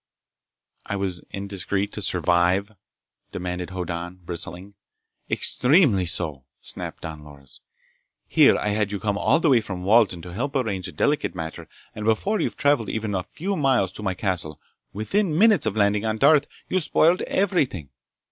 "I was indiscreet to survive?" demanded Hoddan bristling. "Extremely so!" snapped Don Loris. "Here I had you come all the way from Walden to help arrange a delicate matter, and before you'd traveled even the few miles to my castle—within minutes of landing on Darth!—you spoiled everything!